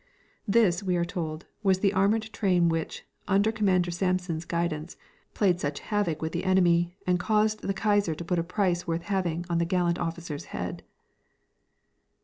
This, we were told, was the armoured train which, under Commander Samson's guidance, played such havoc with the enemy and caused the Kaiser to put a price worth having on that gallant officer's head.